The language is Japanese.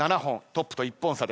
トップと１本差。